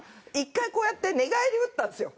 １回こうやって寝返り打ったんですよ。